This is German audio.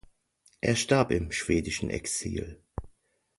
Er starb im schwedischen Exil.